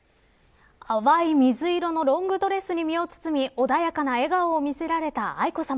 淡い水色のロングドレスに身を包み穏やかな笑顔を見せられた愛子さま。